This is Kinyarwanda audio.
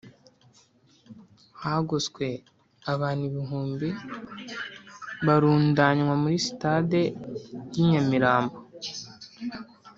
hagoswe abantu ibihumbi barundanywa muri sitade y'i nyamirambo